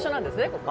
ここ。